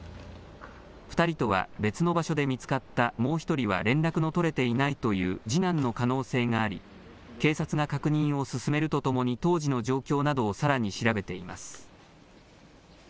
２人とは別の場所で見つかったもう１人は連絡の取れていないという次男の可能性があり、警察が確認を進めるとともに、当時の状況